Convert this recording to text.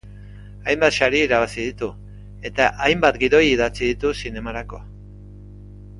Hainbat sari irabazi ditu eta hainbat gidoi idatzi ditu zinemarako.